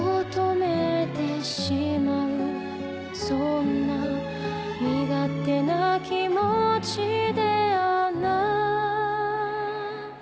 「そんな身勝手な気持ちであなたを」